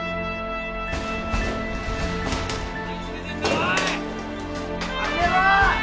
おい！